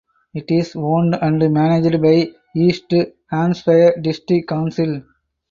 It is owned and managed by East Hampshire District Council.